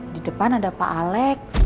di depan ada pak alex